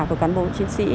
của cán bộ chiến sĩ